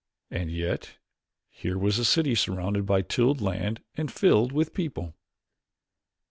And yet, here was the city surrounded by tilled land and filled with people!